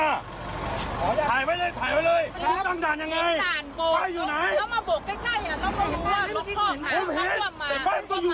นี่ไม่ใช้อารมณ์ใช่ไหมครับ